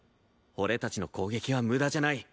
俺たちの攻撃は無駄じゃない。